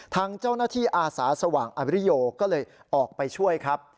ทางเจ้าหน้าที่อาสาสว่างอริโยก็เลยออกไปช่วยครับ